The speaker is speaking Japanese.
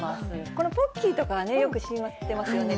このポッキーとかはね、よく知ってますよね。